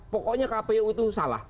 pokoknya kpu itu salah